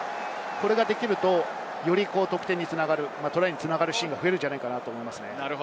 それができると、よりトライにつながるシーンが増えるのではないかと思います。